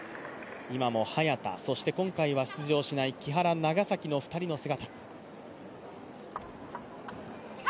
今も早田、そして今回は出場しない木原、長崎の２人の姿。